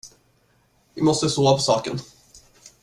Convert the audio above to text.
Vi måste sova på saken.